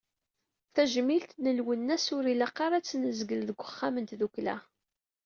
Tajmilt n Lwennas ur ilaq ara ad tt-nezgel deg uxxam n tdukkla.